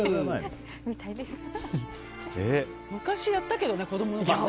昔やったけどね、子供のころね。